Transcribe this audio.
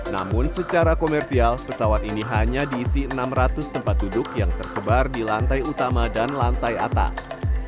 namun secara komersial pesawat ini hanya diisi enam ratus tempat duduk yang tersebar di lantai utama dan lantai atas